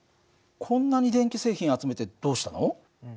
こんなに電気製品集めてどうしたの？